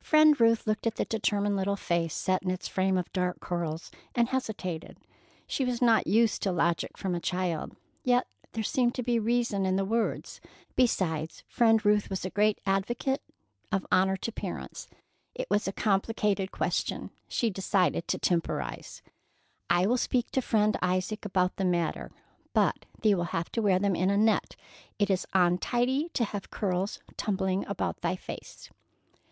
Friend Ruth looked at the determined little face set in its frame of dark curls, and hesitated. She was not used to logic from a child, yet there seemed to be reason in the words. Besides, Friend Ruth was a great advocate of honor to parents. It was a complicated question. She decided to temporize. "I will speak to Friend Isaac about the matter, but thee will have to wear them in a net. It is untidy to have curls tumbling about thy face."